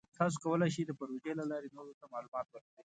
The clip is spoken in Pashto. تاسو کولی شئ د پروژې له لارې نورو ته معلومات ورکړئ.